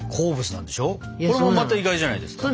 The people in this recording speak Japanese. これもまた意外じゃないですか。